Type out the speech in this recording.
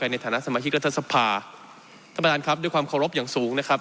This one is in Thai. ในฐานะสมาชิกรัฐสภาท่านประธานครับด้วยความเคารพอย่างสูงนะครับ